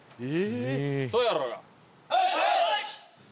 え！